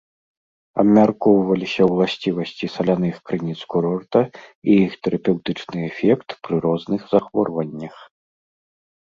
Абмяркоўваліся ўласцівасці саляных крыніц курорта і іх тэрапеўтычны эфект пры розных захворваннях.